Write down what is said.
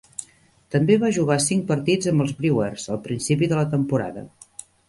També va jugar cinc partits amb els Brewers al principi de la temporada.